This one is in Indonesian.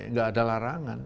gak ada larangan